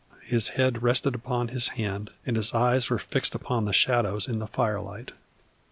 His head rested upon his hand, and his eyes were fixed upon the shadows in the firelight.